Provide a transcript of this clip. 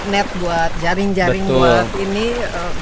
net buat jaring jaring